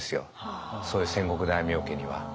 そういう戦国大名家には。